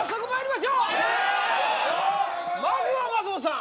まずは松本さん